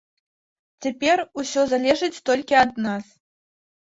Цяпер усё залежыць толькі ад нас.